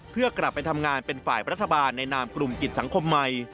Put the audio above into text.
เพื่อกลับไปทำงานเป็นฝ่ายรัฐบาลในนามกลุ่มกิจสังคมใหม่